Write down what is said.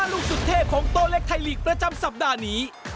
ลูกสุดเทพของโตเล็กไทยลีกประจำสัปดาห์นี้